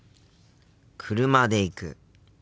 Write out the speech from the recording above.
車で行く。